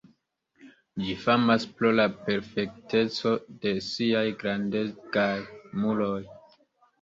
Ĝi famas pro la perfekteco de siaj grandegaj muroj.